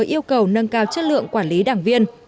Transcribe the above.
yêu cầu nâng cao chất lượng quản lý đảng viên